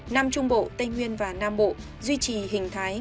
nam trung bộ tây nguyên và nam bộ duy trì hình thái